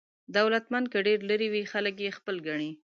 دولتمند که ډېر لرې وي خلک یې خپل ګڼي.